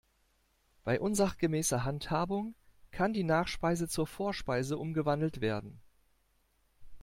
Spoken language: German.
Bei unsachgemäßer Handhabung kann die Nachspeise zur Vorspeise umgewandelt werden.